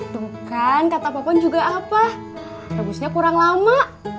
tuh kan kata popon juga apa rebusnya kurang lama